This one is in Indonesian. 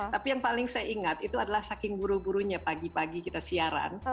tapi yang paling saya ingat itu adalah saking burunya pagi pagi kita siaran